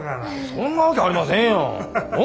そんなわけありませんやん。